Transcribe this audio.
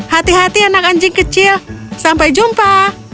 hati hati anak anjing kecil sampai jumpa